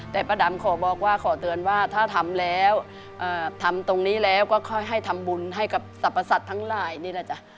แต่ป้าดำขอบอกว่าขอเตือนว่าถ้าทำแล้วทำตรงนี้แล้วก็ค่อยให้ทำบุญให้กับสรรพสัตว์ทั้งหลายนี่แหละจ๊ะ